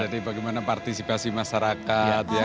jadi bagaimana partisipasi masyarakat ya